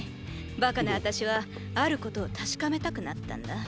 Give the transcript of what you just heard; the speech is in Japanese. バカなあたしはあることを確かめたくなったんだ。